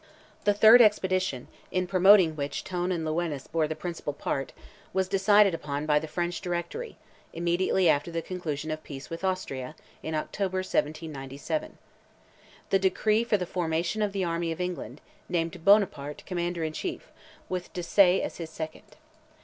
The third expedition, in promoting which Tone and Lewines bore the principal part, was decided upon by the French Directory, immediately after the conclusion of peace with Austria, in October, 1797. The decree for the formation of "the Army of England," named Buonaparte Commander in Chief, with Desaix as his second.